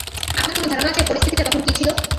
আপনার কোন ধারণা আছে পরিস্থিতিটা তখন কী ছিল?